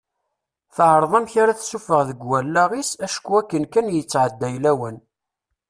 Teɛreḍ amek ara tessuffeɣ deg wallaɣ-is acku akken kan yettɛedday lawan.